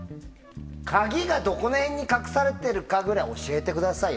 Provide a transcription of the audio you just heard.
鍵がどこら辺に隠されているかぐらいは教えてくださいよ